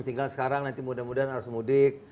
tinggal sekarang nanti mudah mudahan harus mudik